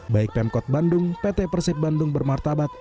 baik pemkot bandung pt persib bandung bermartabat